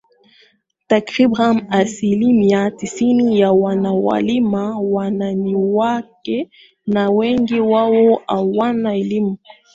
Takriban asilimia tisini ya wanaolima mwani ni wanawake na wengi wao hawana elimu